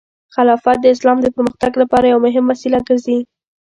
خلافت د اسلام د پرمختګ لپاره یو مهم وسیله ګرځي.